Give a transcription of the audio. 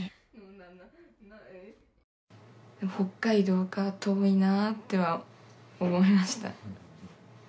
「北海道か遠いなあ」とは思いました。